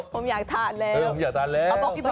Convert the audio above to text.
ผมอยากทานแล้วผมอยากทานแล้ว